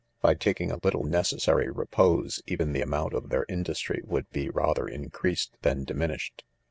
By taking a little: necessary repose* fcven the amount ot their industry would be rather in 5 •224 NOTES, creased than diminished.